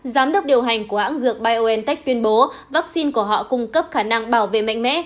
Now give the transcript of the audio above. giám đốc điều hành của hãng dược biontech tuyên bố vaccine của họ cung cấp khả năng bảo vệ mạnh mẽ